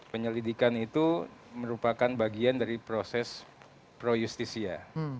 penyelidikan itu merupakan bagian dari proses pro justisia